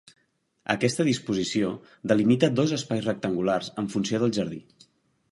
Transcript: Aquesta disposició delimita dos espais rectangulars amb funció de jardí.